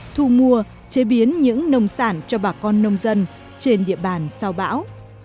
thu mua chế biến những nông sản cho bà con nông dân trên địa bàn sau bão